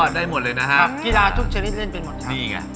ตัวเลขกูจะลองทุกชนิดเล่นเป็นหมดนะฮะ